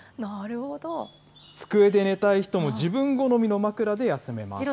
机で寝たい人も自分好みの枕で休めます。